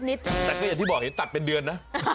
แต่ก็อย่างที่บอกเห็นตัดเป็นเดือนนะ